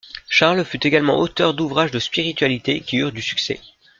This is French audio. Charles fut également auteur d'ouvrages de spiritualité qui eurent du succès.